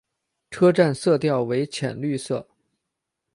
车站色调为浅绿色。